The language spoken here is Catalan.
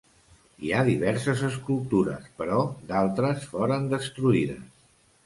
Hi ha diverses escultures, però d'altres foren destruïdes.